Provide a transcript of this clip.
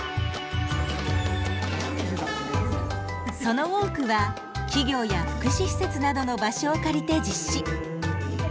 その多くは企業や福祉施設などの場所を借りて実施。